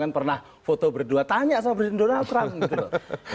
kan pernah foto berdua tanya sama presiden donald trump